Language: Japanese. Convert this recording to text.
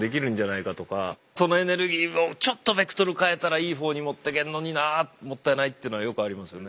そのエネルギーをちょっとベクトル変えたらいい方に持ってけんのになあもったいないっていうのはよくありますよね。